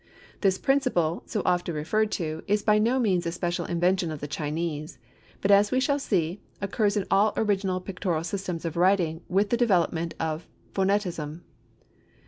This principle, so often referred to, is by no means a special invention of the Chinese, but as we shall see, occurs in all original pictorial systems of writing with the development of phonetism.